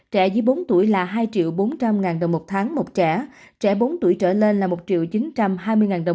trẻ dưới bốn tuổi là hai bốn trăm linh ngàn đồng một tháng một trẻ trẻ bốn tuổi trở lên là một chín trăm hai mươi đồng